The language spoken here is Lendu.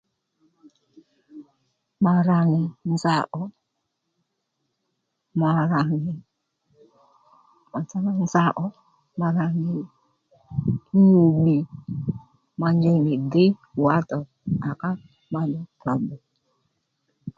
Ma ra nì nza ò ma ra nì mà tsá nga nza ò ma ra nì nyû bbì ma njey nì dhǐy wǎtò à ká madhò klòw bbu